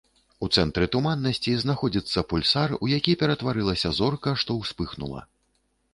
У цэнтры туманнасці знаходзіцца пульсар, у які ператварылася зорка, што ўспыхнула.